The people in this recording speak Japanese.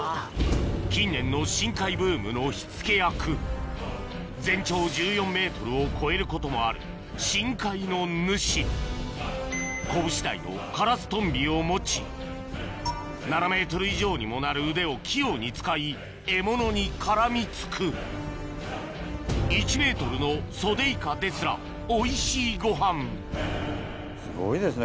近年の深海ブームの火付け役全長１４ｍを超えることもある深海の主拳大のカラストンビを持ち７ｍ以上にもなる腕を器用に使い獲物に絡み付く１ｍのソデイカですらおいしいごはんすごいですね